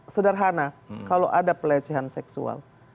sederhana kalau ada pelecehan seksual